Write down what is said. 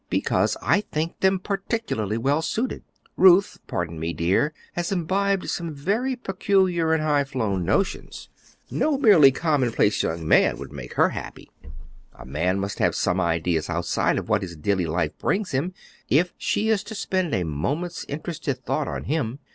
"Because I think them particularly well suited. Ruth, pardon me, dear, has imbibed some very peculiar and high flown notions. No merely commonplace young man would make her happy. A man must have some ideas outside of what his daily life brings him, if she is to spend a moment's interested thought on him.